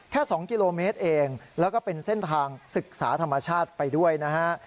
๒กิโลเมตรเองแล้วก็เป็นเส้นทางศึกษาธรรมชาติไปด้วยนะฮะ